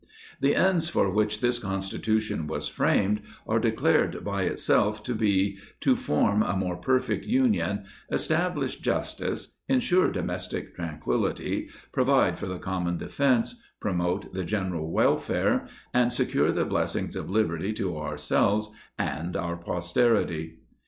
.. The ends for which this Constitution was framed are declared by itself to be "to form a more perfect union, "establish justice, insure domestic tranquility, provide for "the common defence, promote the general welfare, and "secure the blessings of liberty to ourselves and our pos terity."